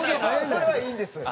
それはいいんです。